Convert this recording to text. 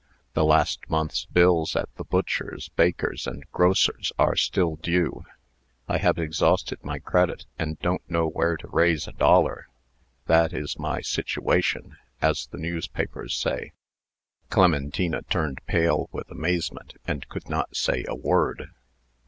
The last month's bills at the butcher's, baker's, and grocer's are still due. I have exhausted my credit, and don't know where to raise a dollar. That is my 'situation,' as the newspapers say." Clementina turned pale with amazement, and could not say a word.